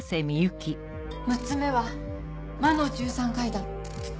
６つ目は「魔の十三階段」。